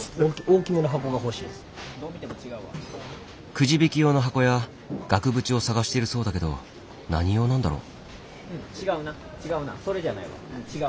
くじ引き用の箱や額縁を探しているそうだけど何用なんだろう？